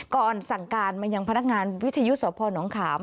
ก่อนสั่งการมายังพนักงานวิทยุสพนขาม